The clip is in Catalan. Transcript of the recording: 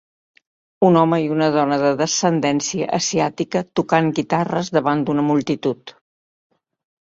Un home i una dona de descendència asiàtica tocant guitarres davant d'una multitud.